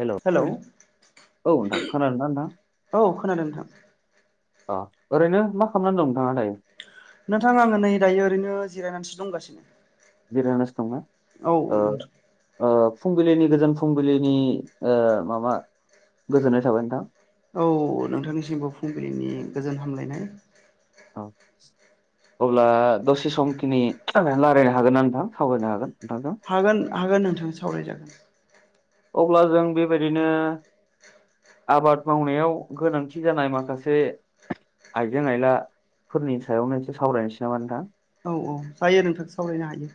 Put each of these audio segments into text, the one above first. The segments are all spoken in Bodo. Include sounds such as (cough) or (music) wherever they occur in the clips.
हेल' औ हेलौ नोंथां खोनादों दा नोंथां। औ खोनादों नोंथां अ ओरैनो मा खालामनानै दं नोंथाङा दायो। नोंथां आङो नै दायो ओरैनो जिरायनानैसो दंगासिनो। जिरायना सो दं ना। औ नोंथां ओ फुंबिलिनि गोजोन फुंबिलिनि माबा ओ गोजोननाय थाबाय नोंथां। औ नोंथांनिसिमबो फुंबिलिनि गोजोन हामलायनाय औ। अब्ला दसे समखिनि रायल्लायनो हागोन ना नोंथां सावरायनो हागोन नोंथांजों। हागोन हागोन नोंथां सावरायजागोन। अब्ला जों बेबायदिनो आबाद मावनायाव गोनांथि जानाय माखासे आइजें आइलाफोरनि सायावनो एसे सावरायनोसै नामा नोंथां? औ औ जायो नोंथां सावरायनो हायो।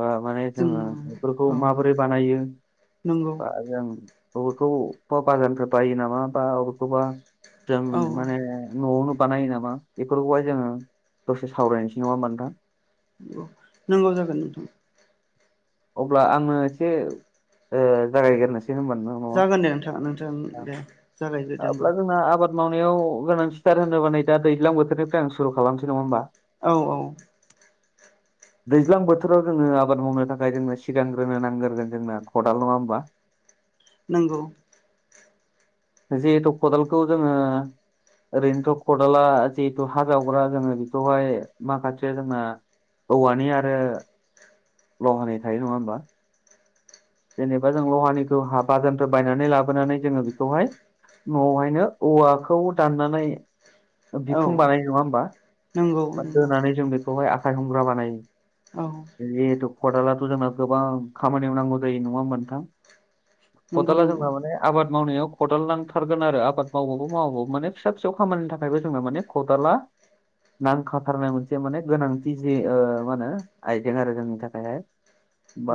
ओ माने जोङो बेफोरखौ औ माबोरै बानायो। नंगौ। आरो आं बबेखौबबा बाजारनिफ्राय बायो नामा बा बबेखौबा जों औ औ माने न'आवनो बानायो नामा बेफोरखौहाय जोङो दसे सावरायनोसै नङा होमबा नोंथां? औ नांगौ जागोन नोंथां। अब्ला आङो एसे ओ जागायगिरनोसै होनबा नङा जागोन दे नोंथाङा नोंथां दे जागायग्रोदो होमबा अब्ला जोंना आबाद मावनायाव गोनांथिथार होनोब नाय दा दैज्लां बोथोरनिफ्राय आं सुरु खालामनोसै नङा होमबा? औ औ (inaudible) दैज्लां बोथोराव जोङो आबाद मावनो थाखाय जोंनो सिगांग्रोनो नांग्रोगोन जोंना खदाल नङा होमबा। नंगौ। जिहेतु खदालखौ जोङो ओरैनोथ' खदाला जिहेथु हाजावग्रा जोङो बेखौहाय माखासे जोंना औवानि आरो लहानि थायो नङा होमबा। जेनेबा जों लहानिखौ हा बाजानफ्राय बायनानै लाबोनानै जोङो बेखौहाय न'आवहायनो औवाखौ दाननानै औ बिखुं बानायो नङा होमबा नंगौ नंगौ दोनानै जों बेखौहाय आखाइ हमग्रा बानायो। औ जिहेथु खदालाथ' जोंना गोबां खामानियाव नांगौ जायो नङा नोंथां? नंगौ खदाला नंगौ जोंना माने आबाद मावनायाव खदाल नांथारगोन आरो आबाद मावबाबो मावाबाबो माने फिसा फिसौ खामानिनि थाखायबो जोङो माने खथाला नांखाथारनाय मोनसे माने गोनांथि जि मा होनो आइजें आरो जोंनि थाखायहाय।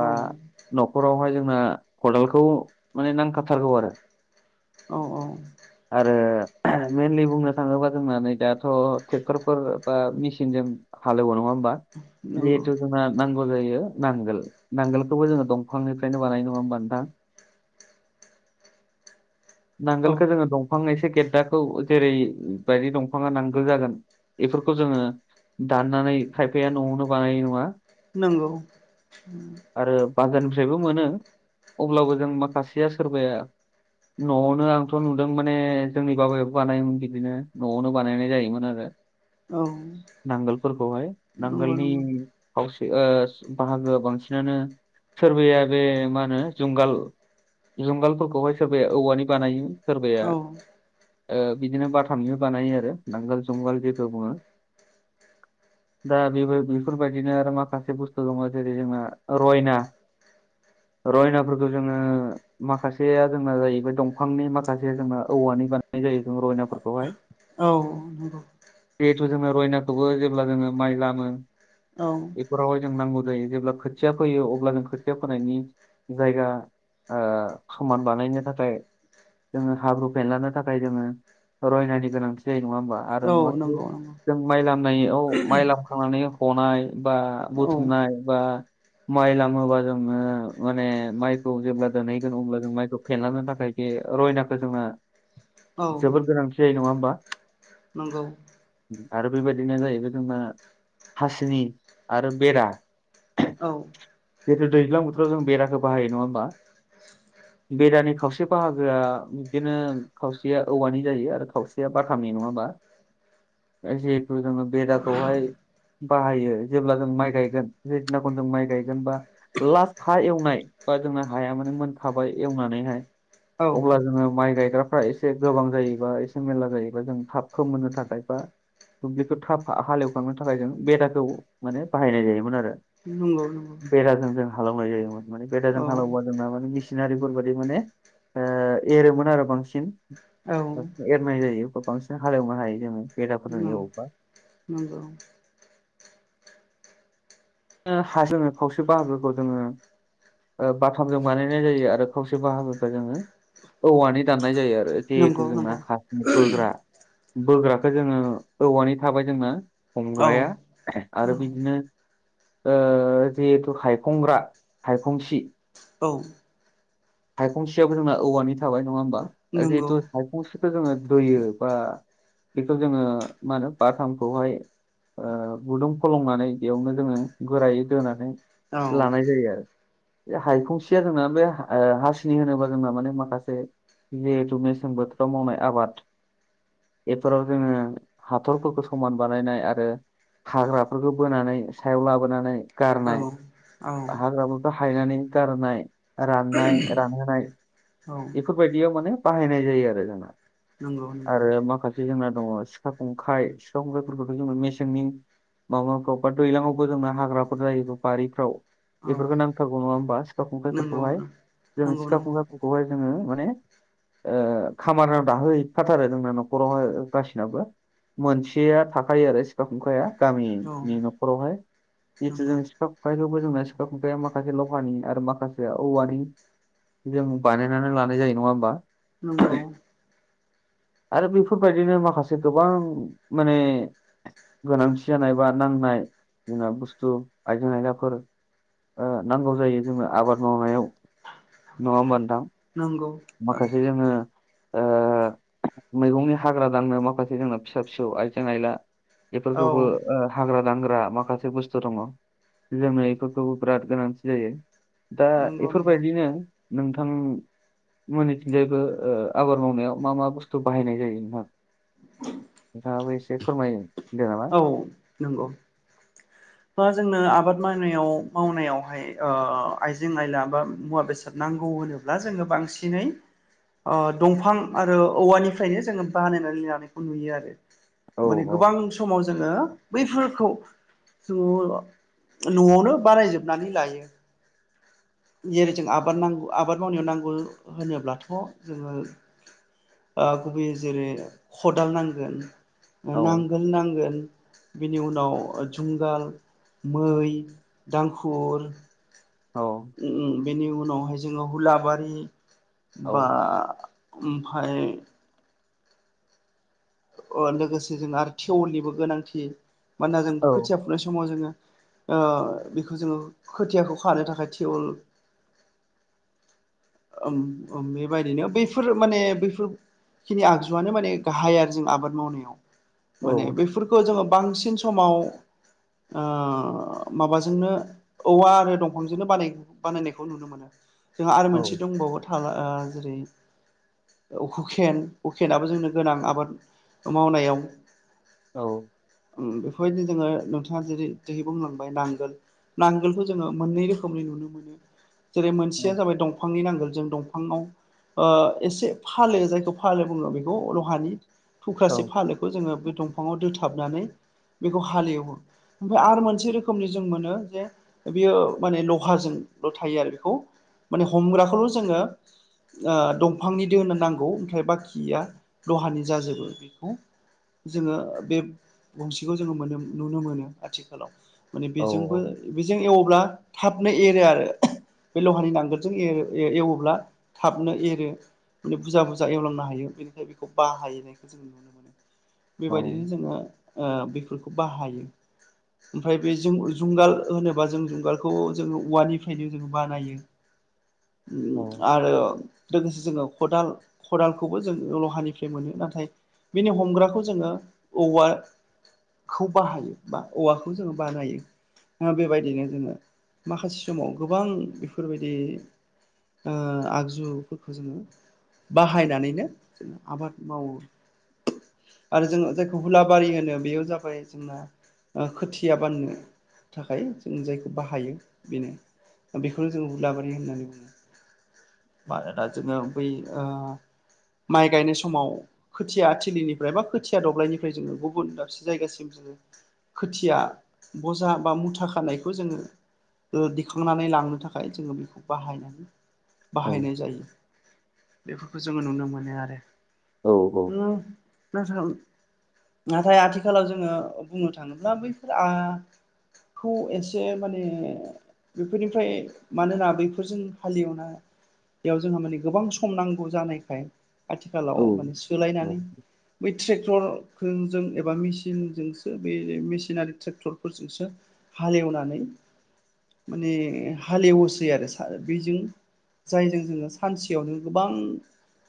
औ न'खरावहाय जोंना खदालखौ माने नांखाथारगौ आरो। औ औ आरो मइेनलि बुंनो थाङोबा जों नै दाथ' ट्रेक्टरफोर बा मेसिनजों हालेवो नङा होमबा? नंगौ जिहेथु जोंना नांगौ जायो नांगोल नांगोलखौबो जोङो दं फांनिफ्रायनो बानाय नङा होमबा नोंथां? औ नांगोलखो जोङो दंफां एसे गेद्दाखौ जेरैबायायदि दंफाङा नांगोल जागोन बेफोरखौ जोङो दाननानै खायफाया न'आवनो बानायनाय नङा नंगौ आरो बांगोन निफ्रायबो मोनो अब्लाबो जों माखासेया सोरबाया न'आवनो आंथ' नुदों माने जोंनि बाबायाबो बानायोमोन बिदिनो न'आवनो बानायनाय जायोमोन आरो। औ नांगोलफोरहाय नंगौ नांगोलनि नंगौ खावसे ओ बाहागोआ बांसिनानो सोरबाया बे मा होनो जुंगाल जुंगालफोरखौहाय सोरबाया औवानि बानायो सोरबाया औ ओ बिदिनो बाथामनिबो बानायो आरो नांगोल जुंगाल जेखौ बुङो दा बेबो बेफोरबायदिनो आरो माखासे बुस्थु दङ जेरै जोंना रयना रयनाफोरखौ जोङो माखासेया जोंना जाहैबाय दंफांनि माखासे जोंना औवानि बानायनाय जायो जों रयनाफोरखौहाय। औ नं जिहेथु जोङो रयनाखौबो जेब्ला जोङो माइ लामो औ बेफोरावहाय जों नांगौ जायो जेब्ला खोथिया फैयो अब्ला जों खोथिया फोनायनि जायगा ओ समान बानायनो थाखाय जोङो हाब्रु फेनलानो थाखाय जोङो रयनानि गोनांथि जायो नङा होमबा आरो औ नङाखि नंगौ नंगौ जों माइ लामनायाव माइ लामखांनानै हनाय बा औ बुथुमनाय बा माइ लामोबा जोङो माने माइखौ जेब्ला दोनहैगोन अब्ला जों माइखौ फेनलांनो थाखाय ज रयनाखौ जोंना औ जोबोद गोनांथि जायो नङा होमबा? नंगौ आरो बे बायदिनो जाहैबाय जोंबना हासिनि आरो बेरा औ। जिहेथु दैज्लां बोथोराव जों बेराखौ बाहायो नङा होमबा। बेरानि खावसे बाहागोआ बिदिनो खावसेया औवानि जायो आरो खावसेया बाथामनि नङा होनबा। ए बेेदाखौहाय बाहायो जेब्ला जों माइ गायगोन जै दिनाखन जों माइ गायगोन बा लास्ट हा एवनाय बा जोंना हाया माने मोनखाबाय एवनानैहाय। औ अब्ला जोङो माइ गायग्राफ्रा एसे गोबां जायोबा एसे मेरला जायोब्ला जों थाबखौ मोननो थाखाय बा दुब्लिखौ थाब हालेवखांनो थाखाय जों बेदाखौ माने बाहायनाय जायोमोन आरो। नंगौ नंगौ बेराजों जों हालौनाय जायोमोन माने औ बेराजों हालेबा जोंना माने मिसिनारिफोर बायदि माने ओ एरोमोन आरो बांसिन। औ बांसिन एरनाय जायो बांसिन हालेवनो हायो जोङो बेराफोरजों एवबा नंगौ। हा जोङो खावसे बाहागोखौ जोङो बाथामजों बानायनाय जायो आरो खावसे बाहागोखौ जोङो औवानि दाननाय जायो आरो। नंगौ जिहेथु जोंना नंगौ हारसिं बोग्रा बोग्राखौ जोङो औवानि थाबाय जोंना औ हमग्राया औ आरो बिदिनो जिहेतु हायखंग्रा हायखंसि औ। हायखंसियाबो जोंना औवानि थाबाय नङा होमबा। नंगौ जिहेतु हायखंसिखौ जोङो दोयो बा बेखौ जोङो मा होनो बाथामखौहाय गुदुं फलंनानै बेयावनो जोङो गोरायै दोनानै औ औ लानाय जायो आरो। बे हायखंसिया जोंना बे हासिनि होनोबा जोंना माने माखासे जिहेथु मेसें बोथोराव मावनाय आबाद बेफोराव जोङो हाथरफोरखौ समान बानायनाय आरो हाग्राफोरखौ बोनानै सायाव लाबोनानै औ गारनाय औ हाग्राफोरखौफोरखौ हायनानै गारनाय राननाय रानहोनाय बेफोरबायदियाव माने बाहायनाय जायो आरो जोंहा नंगौ नंगौ आरो माखासे जोंना दङ सिखा खंखाय सिखा खंखायफोरखौथ' जों मेसेंनि माबाफ्राव बा दैज्लाङावबो जोंना हाग्राफोर जायोब्ला बारिफ्राव औ बेफोरखौ नांथारौ नङा होमबा सिखा नंगौ नंगौ खंथायाइफोरखौहाय जों नंगौ सिखा खुंखाइफोरखौहाय जोङो माने खामारनियाव दाहो हैफाथारो नोंना न'खरावहाय गासिनावबो। मोनसेया थाखायो आरो सिखा खुंखाया औ गामिनि न'खरावहाय जितु जों नंगौ सिखा खुंखाइखौबो जोंना सिखा खुंखाइया माखासे लहानि आरो माखासे औवानि जों बानायनानै लानाय जायो नङा होमबा। नंगौ। आरो बेफोरबायदिनो माखासे गोबां माने गोनांथि जानाय बा नांनाय जोंना बुस्थु आइजें-आइलाफोर नांगौ जायो जोंनो आबाद मावनायाव नङा होनबा नोंथां। नंगौ। औ माखासे जोङो ओ मैगंनि हाग्रा दांनो माखासे जोंना फिसा फिसौ आइजें आइला बेफोरखौबो नंगौ हाग्रा दांग्रा माखासे बुस्थु दङ। जोंनो बेफोरखौबो बिराद गोनांथि जायो। दा नंगौ बेफोरबायदिनो नोंथां मोनैथिंजायबो आबाद मावनायाव मा मा बुस्थु बाहायनाय जायो नोंथां? नोंथाङाबो एसे फोरमाय होनदो नामा? औ नंगौ। बा जोंनो आबाद मावनायाव मावनायावहाय ओ आइजें आयला बा मुवा बेसाद नांगौ होनोब्ला ला जोङो बांसिनै ओ दंफां आरो औवानिफ्रायनो जोङो बानायनानै लानायखौ नुयो आरो औ माने गोबां समाव जोङो बैफोरखौ जोङो न'आवनो बारायजोबनानै लायो जेरै जों आबाद नांगौ आबाद मावनायाव नांगौ होनोब्लाथ' जोङो गुबैयै जेरै खदाल नांगोन, औ नांगोन नांगोन। बिनि उनाव जुंगाल, मै, दांखुर, बेनि उनावहाय जोङो हुलाबारि, औ बा ओमफ्राय लोगोसे जों आरो थेवलनिबो गोनांथि मानोना जों औ खोथिया फबनाय समाव जोङो ओ बेखौ जोङो खोथियाखौ खानो थाखाय थिवल (unintelligible) ओ ओम बेबायदिनो बैफोर माने बैफोरखिनि आगजुआनो माने गाहाय आरो आबाद मावनायाव माने औ बेफोरखौ जोङो बांसिन समाव ओ माबाजोंनो औवा आरो दंफांजोंनो बानायो बानायनायखौ नुनो मोनो जोंहा आरो औ मोनसे दंबावो ओ जेरै हुखेन हुखेनाबो जोंनो गोनां आबाद मावनायाव औ बेफोरबायदिनो जोङो नोंथाङा जेरै दायो बुंलांबाय नांगोल नांगोलखौ जोङो मोननै रोखोमनि नुनो मोनो जेरै औ मोनसेया जाबाय दंफां दंफांनि नांगोल जों दंफाङाव ओ एसे फालो जायखौ फाल बुङो बेखौ लहानि औ थुख्रासे फालोखौ जोङो बे दंफाङाव दोथाबनानै बेखौ हालेवो ओमफ्राय आरो मोनसे रोखोमनि जों मोनो जे बियो माने लहाजोंल' थायो आरो बेखौ माने हमग्राखौल' जोङो ओ दंफांनि दोहोनो नांगौ ओमफ्राय बाखिया लहानि जाजोबो बेखौ जोङो बे गंसेखौ जोङो मोनो नुनो मोनो आथिखालाव माने बेजोंबो बेजों एवब्ला थाबनो एरो आरो बे लहानि नांगोलजों ए-एवोब्ला थाबनो एरो माने बुरजा बुरजा एवलांनो हायो बेनिखाय बेखौ बाहायो जों नुनो मोनो औ बेबायदिनो जोङो ओ बेफोरखौ बाहायो ओमफ्राय बे जों जुंगाल होनोबा जों जुंगालखौ जोङो औवानिफ्रायनो जों बानायो (inaudible) आरो लोगोसे जोङो खदाल खदालखौबो जों लहानिफ्राय मोनो नाथाय बिनि हमग्राखौ जोङो औवा खौ बाहायो बा औवाखौ जोङो बानायो बेबायदिनो जोङो माखासे समाव गोबां बेफोरबायदि ओ आगजुफोरखौ जोङो बाहायनानैनो जों आबाद मावो आरो जोङो जायखौ हुलाबारि होनो बेयो जाबाय जोंना खोथिया बाननो थाखाय जों जायखौ बाहायो बेनो बेखौनो जों हुलाबारि होननानै बुङो बा दा जोङो बै ओ माइ गायनाय समाव खोथियाथिलिनिफ्राय बा खोथिया दब्लायनिफ्राय जोङो गुबुन दाबसे जायगासिम जोङो खोथिया बजा बा मुथा खानायखौ जोङो दिखांनानै लांनो थाखाय जोङो बेखौ बाहायनानै औ बाहायनाय जायो बेफोरखौ जोङो नुनो मोनो आरो औ औ मा खालामदों नाथाय आथिखालाव जोङो बुंनो थाङोब्ला बैफोर ओ खौ एसे माने बेफोरनिफ्राय मानोना बैफोरजों हालेवना बेयाव जोंहा माने गोबां सम नांगौ जानायखाय औ आथिखालाव माने सोलायनानै बै ट्रेक्टर जों एबा मेसिनजोंसो बे मेसिनारि ट्रेक्टरफोरजोंसो हालेवनानै माने हालेवोसै आरो बेजों जायजों जोङो सानसेयावनो गोबां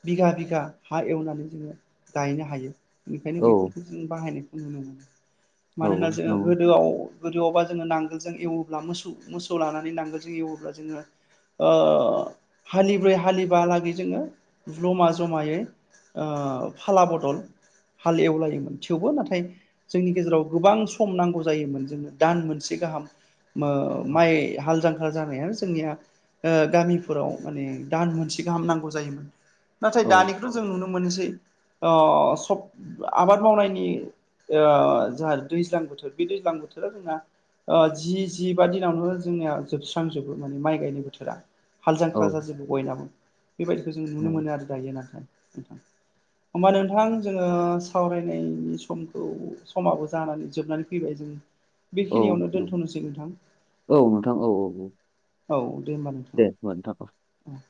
बिघा बिघा हा एवनानै जोङो गायनो हायो ओंखायनो बेफोरखौ जों बाहायनायखौ नुनो मोनो मानोना जोङो गोदोआव गोदोआवबा जोङो नांगोलजों एवोब्ला मोसौ मोसौ लानानै नांगोलजों एवोब्ला जोङो ओ हालिब्रै हालिबालागै जोङो जमा जमायै ओ फाला बदल हाल एवलायोमोन थेवबो नाथाय जोंनि गेजेराव गोबां सम नांगौ जायोमोन जोंनो दान मोनसे गाहाम ओ माइ हाल जांख्रा जानायानो जोंनिया ओ गामिफोराव माने दान मोनसे गाहाम नांगौ जायोमोन नाथाय दानिखौथ' जों नुनो मोनो मोनसै सब आबाद मावनायनि ओ जोंहा दैज्लां बोथोर बे दैज्लां बोथोराव जोंना ओ जि जिबा दिनावनो जोंनिया जोबस्रांजोबो माने माइ गायनाय बोथोरा हाल जां खारा जाजोबो बयनाबो बेबायदिखौ जों नुनो मोनो आरो दायो नाथाय नोंथां (unintelligible) होमबा नोंथां जोङो सावरायनायनि समखौ समाबो जानानै जोबनानै फैबाय जों बेखिनियावनो दोन्थ'नोसै नोंथां औ नोंथां औ औ औ औ दे होमबा दे नोंथां होनबा नोंथां औ औ